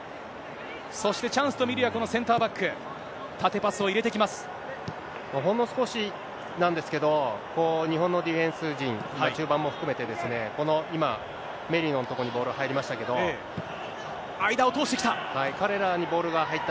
そしてチャンスと見るや、このセンターバック、縦パスを入れてきほんの少しなんですけど、日本のディフェンス陣、中盤も含めてですね、この今、メリノの所にボール入りましたけ間を通してきた。